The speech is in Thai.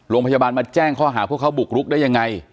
โรงพยาบาลมาแจ้งข้อหาพวกเขาบุกรุกได้ยังไง